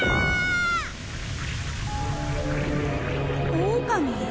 オオカミ？